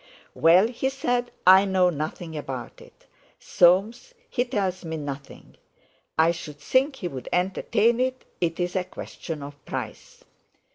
"Well," he said, "I know nothing about it. Soames, he tells me nothing; I should think he'd entertain it—it's a question of price."